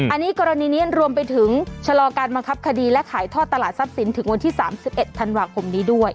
อันนี้กรณีนี้รวมไปถึงชะลอการบังคับคดีและขายท่อตลาดทรัพย์สินถึงวันที่๓๑ธันวาคมนี้ด้วย